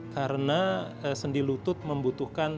karena sendi lutut membutuhkan